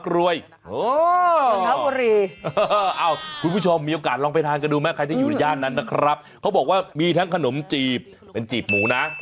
แล้วก็พอบอกว่ามีทั้งขนมจีบเป็นจีบหมูนะ